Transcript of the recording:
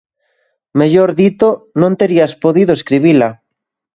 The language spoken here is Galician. Mellor dito: non terías podido escribila.